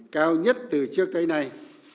cao nhất từ trước tới nay